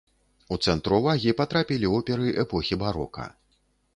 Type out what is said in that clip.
У цэнтр увагі патрапілі оперы эпохі барока.